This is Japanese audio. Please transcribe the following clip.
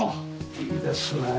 いいですねえ。